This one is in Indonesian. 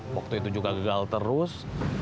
waktu itu juga gagal terus